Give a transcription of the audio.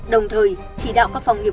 đồng thời chỉ đạo các phòng nghiệp